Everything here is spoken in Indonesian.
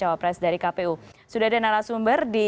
mas rai salam malam